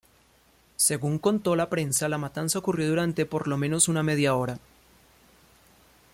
Según contó la prensa la matanza ocurrió durante por lo menos una media hora.